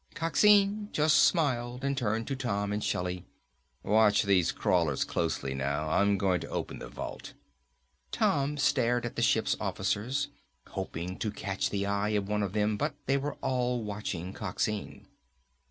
Coxine just smiled and turned to Tom and Shelly. "Watch these crawlers closely, now. I'm going to open the vault." Tom stared at the ship's officers, hoping to catch the eye of one of them, but they were all watching Coxine.